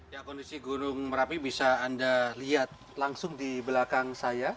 ya kondisi gunung merapi bisa anda lihat langsung di belakang saya